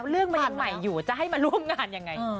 เดี่ยวก่อนเรากำลังมาลุกงานอย่างไร